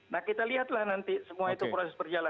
nah kita lihatlah nanti semua itu proses berjalan